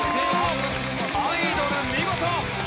アイドル見事！